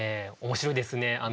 面白いですね。